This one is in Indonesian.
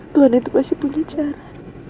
tuhan itu pasti punya cara